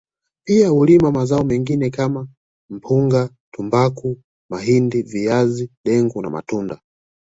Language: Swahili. Pia hulima mazao mengine kama mpunga tumbaku mahindi viazi dengu na matunda